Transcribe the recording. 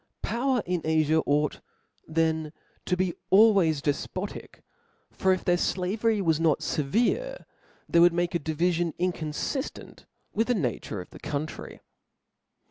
Po^ir^r in Afia. ought tben to be always def potic: for if their flavdry was not feverc^ they Would foon make a diVifidcii incotofifteot with the nature of thd country.